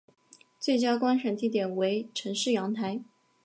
最佳观赏地点为城市阳台。